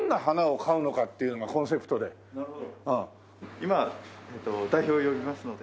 今代表を呼びますので。